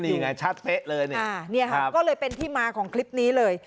ก็นี่ไงชัดเฟะเลยเนี้ยอ่าเนี้ยครับก็เลยเป็นที่มาของคลิปนี้เลย